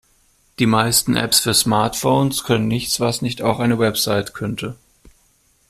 Die meisten Apps für Smartphones können nichts, was nicht auch eine Website könnte.